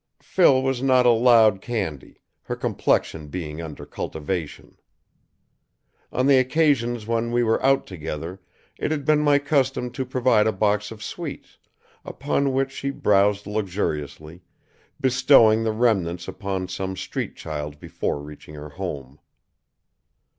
Phil was not allowed candy, her complexion being under cultivation. On the occasions when we were out together it had been my custom to provide a box of sweets, upon which she browsed luxuriously, bestowing the remnants upon some street child before reaching her home.